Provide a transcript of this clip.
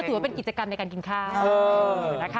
ถือว่าเป็นกิจกรรมในการกินข้าวนะคะ